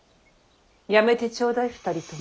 やめてちょうだい２人とも。